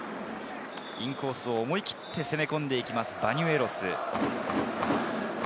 インコースを思い切って攻めていきます、バニュエロス。